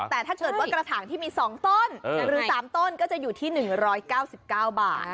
แต่ถ้าเกิดว่ากระถางที่มี๒ต้นหรือ๓ต้นก็จะอยู่ที่๑๙๙บาท